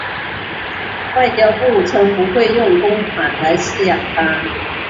外交部称不会用公款来饲养它。